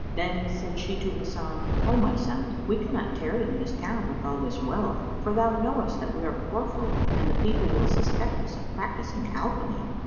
Then said she to Hasan, "O my son, we cannot tarry in this town with all this wealth; for thou knowest that we are poor folk and the people will suspect us of practising alchemy.